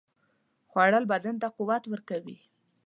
خوړل بدن ته قوت ورکوي